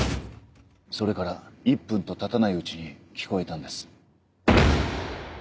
それから１分とたたないうちに聞こえたんです。